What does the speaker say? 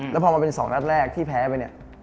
แล้วพอมาเป็น๒นัดแรกที่แพ้ไปเนี่ย